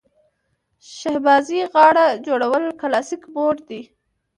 شهبازي غاړه جوړول کلاسیک موډ دی.